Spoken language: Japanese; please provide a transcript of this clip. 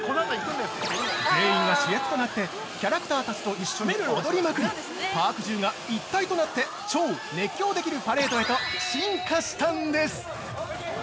全員が主役となってキャラクターたちと一緒に踊りまくりパーク中が一体となって超熱狂できるパレードへと進化したんです！